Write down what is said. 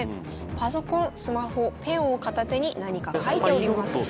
パソコンスマホペンを片手に何か書いております。